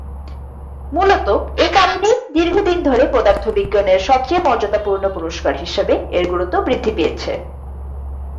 মূলত এ কারণেই দীর্ঘদিন ধরে পদার্থবিজ্ঞানের সবচেয়ে মর্যাদাপূর্ণ পুরস্কার হিসেবে এর গুরুত্ব বৃদ্ধি পেয়েছে।